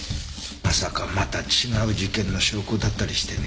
まさかまた違う事件の証拠だったりしてね。